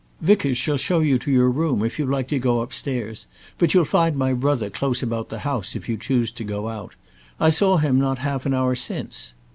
"Vickers shall show you your room, if you like to go upstairs; but you'll find my brother close about the house if you choose to go out; I saw him not half an hour since."